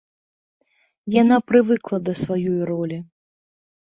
Яна прывыкла да сваёй ролі.